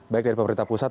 baik dari pemerintah pusat